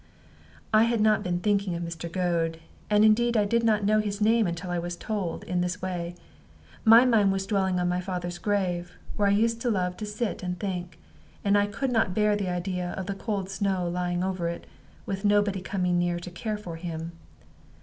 I had not been thinking of Mr. Goad, and indeed I did not know his name until it was told in this way. My mind was dwelling on my father's grave, where I used to love to sit and think; and I could not bear the idea of the cold snow lying over it, with nobody coming to care for him.